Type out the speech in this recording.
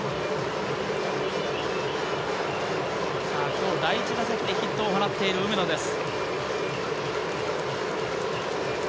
今日、第１打席でヒットを放っている梅野です。